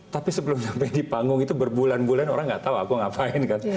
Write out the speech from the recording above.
tapi sebelum sampai di panggung itu berbulan bulan orang gak tau aku ngapain kan